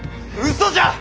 嘘じゃ！